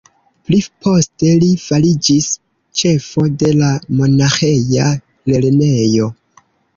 Pli poste li fariĝis ĉefo de la monaĥeja lernejo.